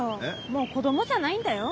もう子供じゃないんだよ。